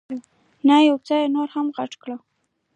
نه، یو څه یې نور هم غټ کړه.